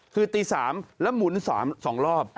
คือตี๓แล้วหมุน๒รอบ